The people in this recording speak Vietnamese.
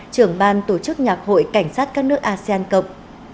trưởng ban tổ chức nhạc hội cảnh sát các nước asean cộng